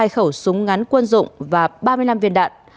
hai khẩu súng ngắn quân dụng và ba mươi năm viên đạn